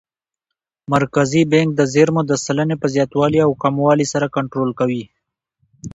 مرکزي بانک د زېرمو د سلنې په زیاتوالي او کموالي سره کنټرول کوي.